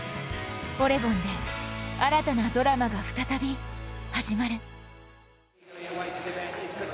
オレゴンで新たなドラマが再び始まる。